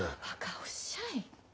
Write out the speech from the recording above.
ばかおっしゃい。